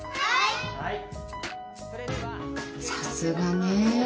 さすがねぇ。